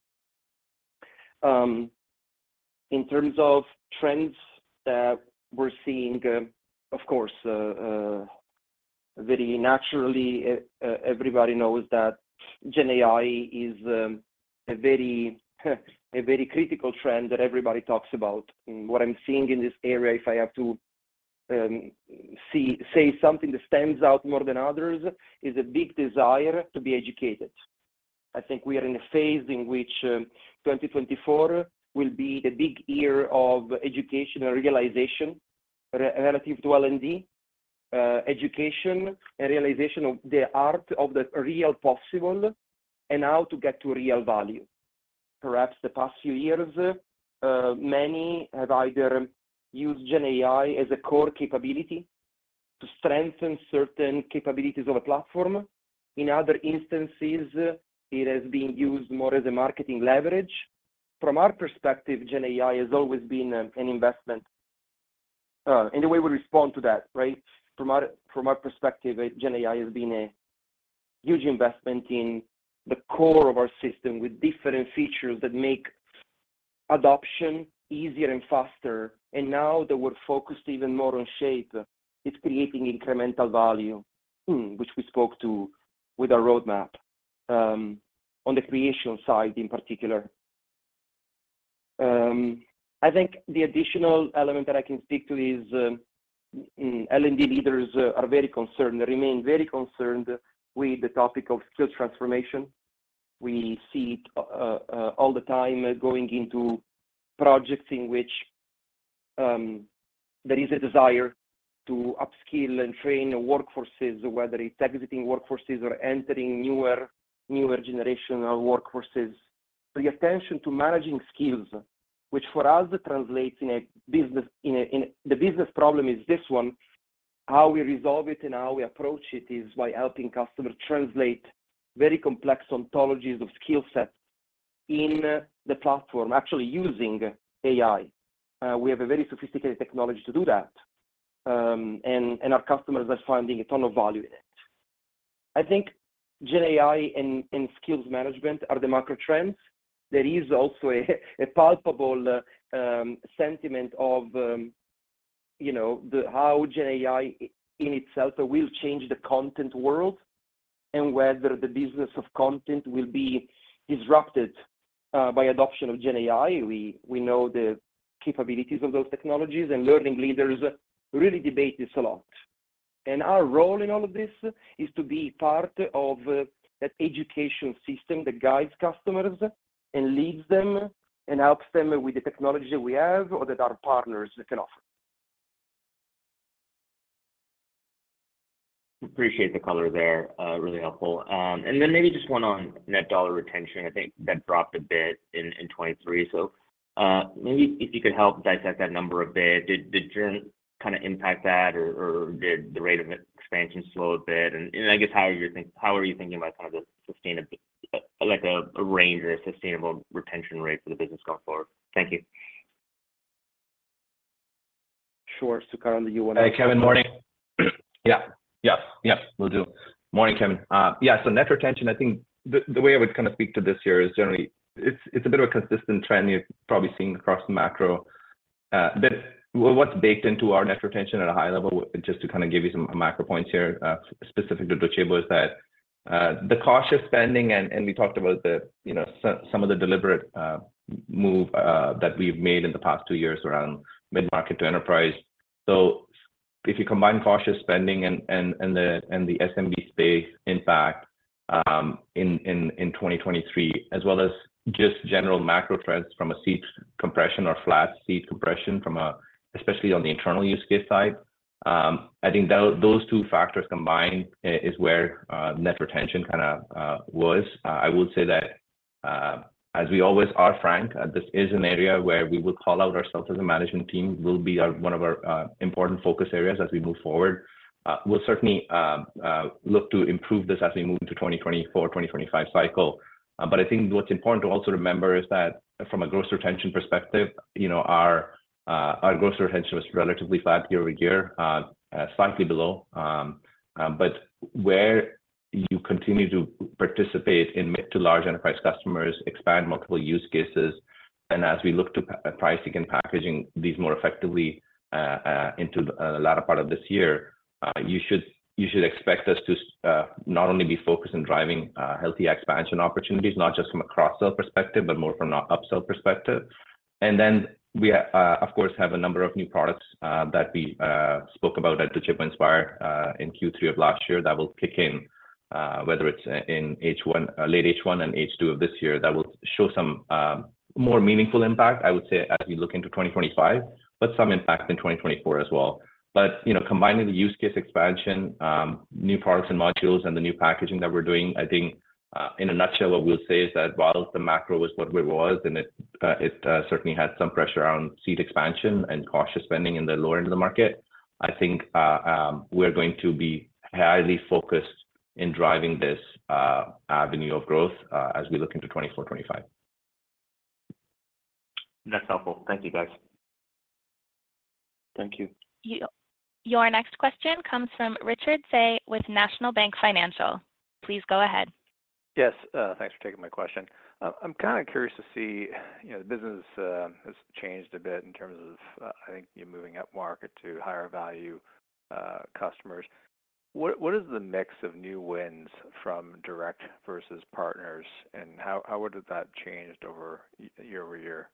In terms of trends that we're seeing, of course, very naturally, everybody knows that GenAI is a very critical trend that everybody talks about. What I'm seeing in this area, if I have to say something that stands out more than others, is a big desire to be educated. I think we are in a phase in which 2024 will be a big year of education and realization relative to L&D, education and realization of the art of the real possible and how to get to real value. Perhaps the past few years, many have either used GenAI as a core capability to strengthen certain capabilities of a platform. In other instances, it has been used more as a marketing leverage. From our perspective, GenAI has always been an investment in the way we respond to that, right? From our perspective, GenAI has been a huge investment in the core of our system with different features that make adoption easier and faster. And now that we're focused even more on Shape, it's creating incremental value, which we spoke to with our roadmap on the creation side in particular. I think the additional element that I can stick to is L&D leaders are very concerned. They remain very concerned with the topic of skill transformation. We see it all the time going into projects in which there is a desire to upskill and train workforces, whether it's exiting workforces or entering newer generational workforces. So the attention to managing skills, which for us translates in a business the business problem is this one. How we resolve it and how we approach it is by helping customers translate very complex ontologies of skill sets in the platform, actually using AI. We have a very sophisticated technology to do that. And our customers are finding a ton of value in it. I think GenAI and skills management are the macro trends. There is also a palpable sentiment of how GenAI in itself will change the content world and whether the business of content will be disrupted by adoption of GenAI. We know the capabilities of those technologies, and learning leaders really debate this a lot. Our role in all of this is to be part of that education system that guides customers and leads them and helps them with the technology that we have or that our partners can offer. Appreciate the color there. Really helpful. And then maybe just one on net dollar retention. I think that dropped a bit in 2023. So maybe if you could help dissect that number a bit, did your kind of impact that, or did the rate of expansion slow a bit? And I guess how are you thinking about kind of a range or a sustainable retention rate for the business going forward? Thank you. Sure. Sukaran, do you want to? Hey, Kevin. Morning. Yeah. Yes. Yes. We'll do. Morning, Kevin. Yeah. So net retention, I think the way I would kind of speak to this here is generally, it's a bit of a consistent trend you've probably seen across the macro. But what's baked into our net retention at a high level, just to kind of give you some macro points here specific to Docebo, is that the cautious spending and we talked about some of the deliberate move that we've made in the past two years around mid-market to enterprise. So if you combine cautious spending and the SMB space impact in 2023, as well as just general macro trends from a seat compression or flat seat compression, especially on the internal use case side, I think those two factors combined is where net retention kind of was. I will say that, as we always are frank, this is an area where we will call out ourselves as a management team. It will be one of our important focus areas as we move forward. We'll certainly look to improve this as we move into 2024-2025 cycle. But I think what's important to also remember is that from a gross retention perspective, our gross retention was relatively flat year-over-year, slightly below. But where you continue to participate in mid to large enterprise customers, expand multiple use cases, and as we look to pricing and packaging these more effectively into the latter part of this year, you should expect us to not only be focused on driving healthy expansion opportunities, not just from a cross-sell perspective, but more from an upsell perspective. And then we, of course, have a number of new products that we spoke about at Docebo Inspire in Q3 of last year that will kick in, whether it's in late H1 and H2 of this year, that will show some more meaningful impact, I would say, as you look into 2025, but some impact in 2024 as well. But combining the use case expansion, new products and modules, and the new packaging that we're doing, I think in a nutshell, what we'll say is that while the macro was what it was, and it certainly had some pressure on seat expansion and cautious spending in the lower end of the market, I think we're going to be highly focused in driving this avenue of growth as we look into 2024-2025. That's helpful. Thank you, guys. Thank you. Your next question comes from Richard Tse with National Bank Financial. Please go ahead. Yes. Thanks for taking my question. I'm kind of curious to see the business has changed a bit in terms of, I think, moving up market to higher value customers. What is the mix of new wins from direct versus partners, and how would that have changed year-over-year?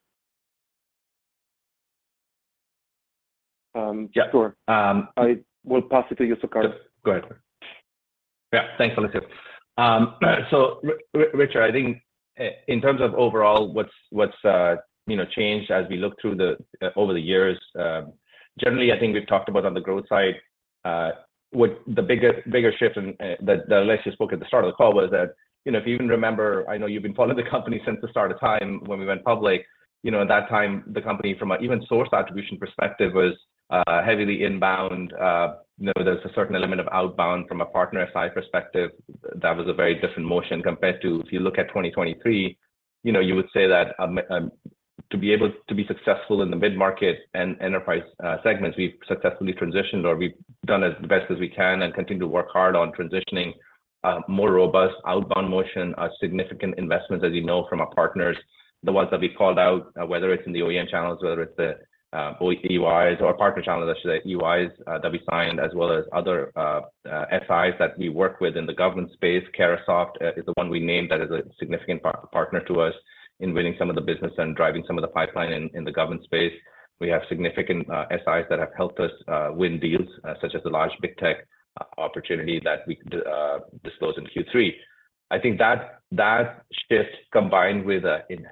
Yeah. Sure. I will pass it to you, Sukaran. Go ahead. Yeah. Thanks, Alessio. So, Richard, I think in terms of overall what's changed as we look through over the years, generally, I think we've talked about on the growth side, the bigger shift that Alessio spoke at the start of the call was that if you even remember, I know you've been following the company since the start of time when we went public. At that time, the company, from a revenue source attribution perspective, was heavily inbound. There was a certain element of outbound from a partner SI perspective. That was a very different motion compared to if you look at 2023. You would say that to be able to be successful in the mid-market and enterprise segments, we've successfully transitioned or we've done as best as we can and continue to work hard on transitioning more robust outbound motion, significant investments, as you know, from our partners, the ones that we called out, whether it's in the OEM channels, whether it's the EUIs or partner channels, I should say, EUIs that we signed, as well as other SIs that we work with in the government space. Carahsoft is the one we named that is a significant partner to us in winning some of the business and driving some of the pipeline in the government space. We have significant SIs that have helped us win deals, such as the large big tech opportunity that we disclosed in Q3. I think that shift, combined with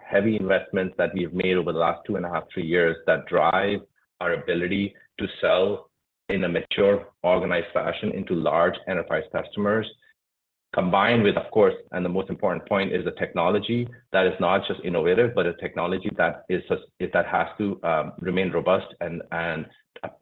heavy investments that we've made over the last 2.5-3 years, that drive our ability to sell in a mature, organized fashion into large enterprise customers, combined with, of course, and the most important point is the technology that is not just innovative, but a technology that has to remain robust and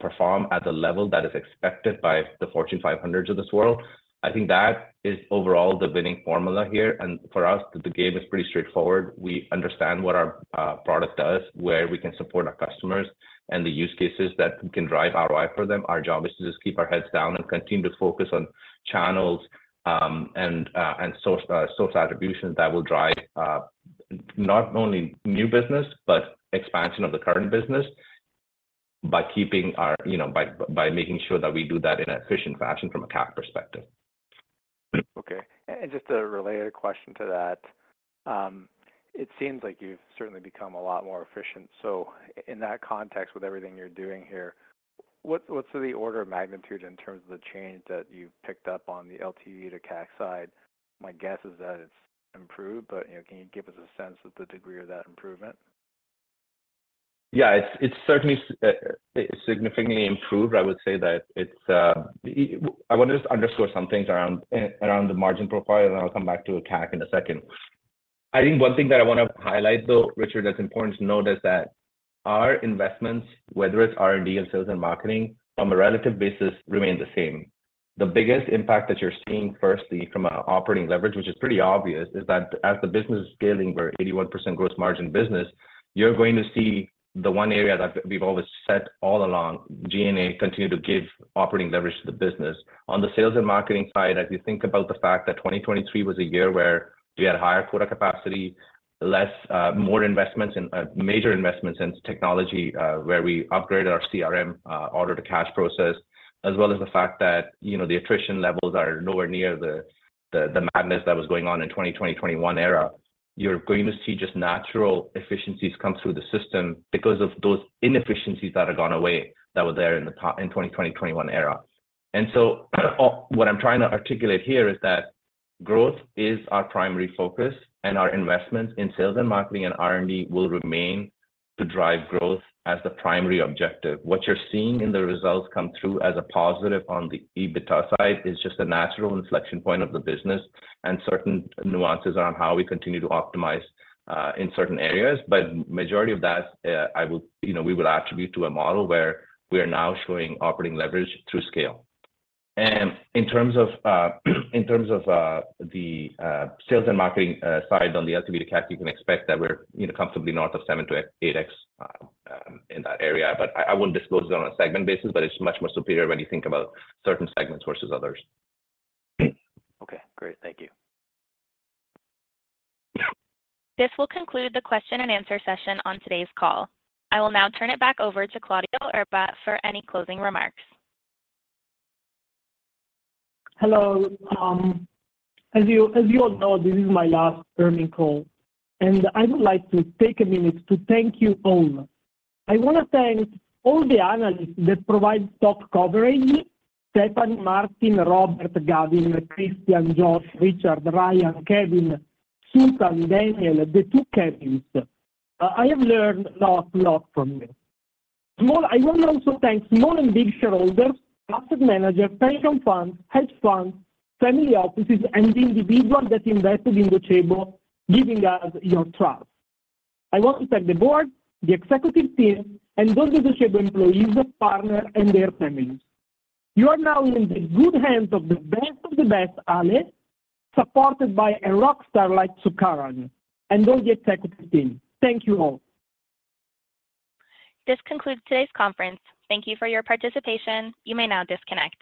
perform at the level that is expected by the Fortune 500s of this world. I think that is overall the winning formula here. And for us, the game is pretty straightforward. We understand what our product does, where we can support our customers, and the use cases that can drive ROI for them. Our job is to just keep our heads down and continue to focus on channels and source attribution that will drive not only new business, but expansion of the current business by making sure that we do that in an efficient fashion from a CAC perspective. Okay. Just a related question to that, it seems like you've certainly become a lot more efficient. In that context, with everything you're doing here, what's the order of magnitude in terms of the change that you've picked up on the LTV to CAC side? My guess is that it's improved, but can you give us a sense of the degree of that improvement? Yeah. It's certainly significantly improved. I would say that I want to just underscore some things around the margin profile, and then I'll come back to CAC in a second. I think one thing that I want to highlight, though, Richard, that's important to note is that our investments, whether it's R&D and sales and marketing, on a relative basis, remain the same. The biggest impact that you're seeing firstly from an operating leverage, which is pretty obvious, is that as the business is scaling, we're 81% gross margin business, you're going to see the one area that we've always set all along, G&A, continue to give operating leverage to the business. On the sales and marketing side, as you think about the fact that 2023 was a year where we had higher quota capacity, more major investments in technology, where we upgraded our CRM, order-to-cash process, as well as the fact that the attrition levels are nowhere near the madness that was going on in the 2020-21 era, you're going to see just natural efficiencies come through the system because of those inefficiencies that have gone away that were there in the 2020-21 era. And so what I'm trying to articulate here is that growth is our primary focus, and our investments in sales and marketing and R&D will remain to drive growth as the primary objective. What you're seeing in the results come through as a positive on the EBITDA side is just a natural inflection point of the business and certain nuances around how we continue to optimize in certain areas. But majority of that, we will attribute to a model where we are now showing operating leverage through scale. And in terms of the sales and marketing side on the LTV to CAC, you can expect that we're comfortably north of 7x-8x in that area. But I wouldn't disclose it on a segment basis, but it's much more superior when you think about certain segments versus others. Okay. Great. Thank you. This will conclude the question-and-answer session on today's call. I will now turn it back over to Claudio Erba for any closing remarks. Hello. As you all know, this is my last earnings call. I would like to take a minute to thank you all. I want to thank all the analysts that provide stock coverage: Stephanie, Martin, Robert, Gavin, Christian, George, Richard, Ryan, Kevin, Suthan, Daniel, the two Kevins. I have learned a lot, a lot from you. I want to also thank small and big shareholders, asset managers, pension funds, hedge funds, family offices, and the individuals that invested in Docebo giving us your trust. I want to thank the board, the executive team, and all the Docebo employees, partners, and their families. You are now in the good hands of the best of the best, Alessio, supported by a rockstar like Sukaran and all the executive team. Thank you all. This concludes today's conference. Thank you for your participation. You may now disconnect.